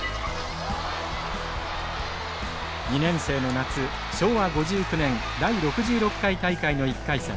２年生の夏昭和５９年第６６回大会の１回戦。